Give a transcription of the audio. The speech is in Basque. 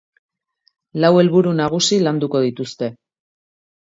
Lau helburu nagusi landuko dituzte.